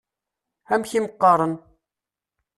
Amek i m-qqaṛen?